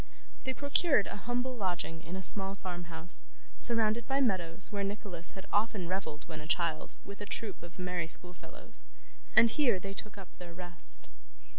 They procured a humble lodging in a small farmhouse, surrounded by meadows where Nicholas had often revelled when a child with a troop of merry schoolfellows; and here they took up their rest.